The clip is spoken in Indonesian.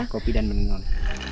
kopi dan menenun